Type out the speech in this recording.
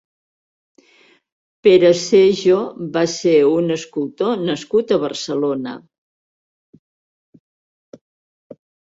Peresejo va ser un escultor nascut a Barcelona.